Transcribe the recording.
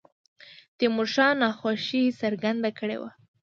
تیمور شاه ناخوښي څرګنده کړې وه.